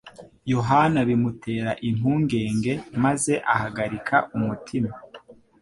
Yohana bimutera impungenge maze ahagarika umutima.